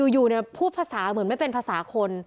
อยู่พูดภาษาเหมือนไม่เป็นภาษาคน